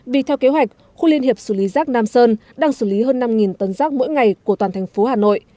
vì theo kế hoạch khu liên hiệp xử lý rác nam sơn đang xử lý hơn năm tấn rác mỗi ngày của toàn thành phố hà nội